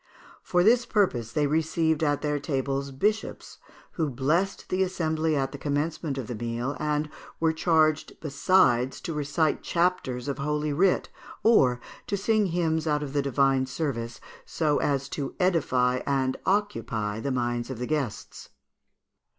For this purpose they received at their tables bishops, who blessed the assembly at the commencement of the meal, and were charged besides to recite chapters of holy writ, or to sing hymns out of the divine service, so as to edify and occupy the minds of the guests.